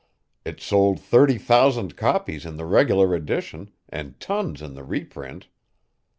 It sold thirty thousand copies in the regular edition and tons in the reprint."